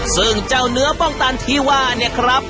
ซึ่งเจ้าเนื้อป้องตันที่ว่าเนี่ยครับ